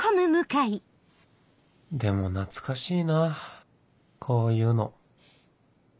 でも懐かしいなこういうの